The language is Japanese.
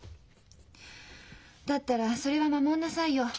だったらそれは守んなさいよ。